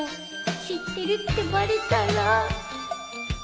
知ってるってバレたら